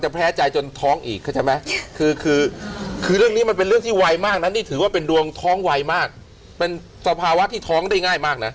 แพ้ใจจนท้องอีกเข้าใจไหมคือคือเรื่องนี้มันเป็นเรื่องที่ไวมากนะนี่ถือว่าเป็นดวงท้องไวมากเป็นสภาวะที่ท้องได้ง่ายมากนะ